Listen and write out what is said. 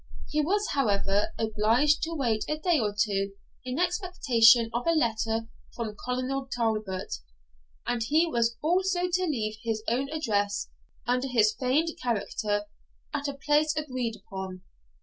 He was, however, obliged to wait a day or two in expectation of a letter from Colonel Talbot, and he was also to leave his own address, under his feigned character, at a place agreed upon.